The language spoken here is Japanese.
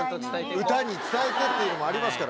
歌に伝えてっていうのもありますから。